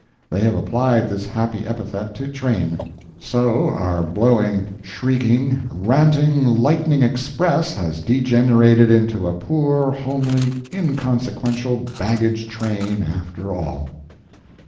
They have applied this happy epithet to Train. So our blowing, shrieking, ranting lightning express has degenerated into a poor, homely inconsequential baggage Train after all.